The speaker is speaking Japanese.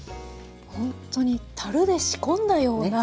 ほんっとに樽で仕込んだような。